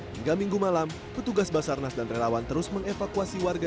hingga minggu malam petugas basarnas dan relawan terus mengevakuasi warga